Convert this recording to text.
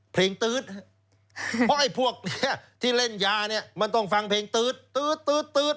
ตื๊ดเพราะไอ้พวกเนี้ยที่เล่นยาเนี่ยมันต้องฟังเพลงตื๊ดตื๊ด